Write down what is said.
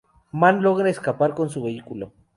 Mann logra escapar con su vehículo.